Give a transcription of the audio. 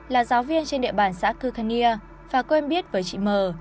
giáo viên trên địa bàn xã cứu khanh nia và quen biết với chị mờ